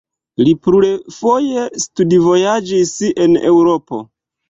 Li plurfoje studvojaĝis en Eŭropo.